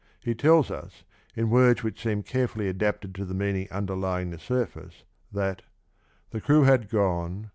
He tells us, in words which seem care fully adapted to the meaning underlying the surface that The crew had qone.